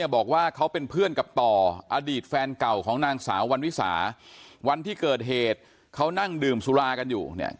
บอกว่าเขาเป็นเพื่อนกับต่ออดีตแฟนเก่าของนางสาววันวิสาวันที่เกิดเหตุเขานั่งดื่มสุรากันอยู่เนี่ย